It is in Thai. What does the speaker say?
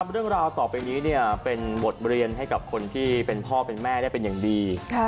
เรื่องราวต่อไปนี้เป็นบทเรียนให้กับคนที่เป็นพ่อเป็นแม่ได้เป็นอย่างดี